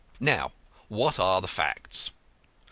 Now, what are the facts?